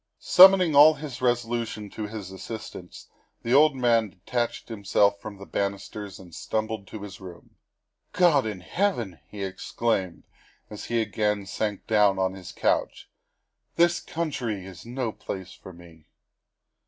Summoning all his resolution to his assistance, the old man detached himself from the banisters and stumbled to his room. " God in heaven!" he exclaimed as he again sank down on his couch, " this country is no place for me."